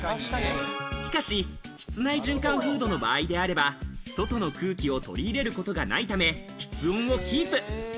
しかし、室内循環フードの場合であれば、外の空気を取り入れることがないため、室温をキープ。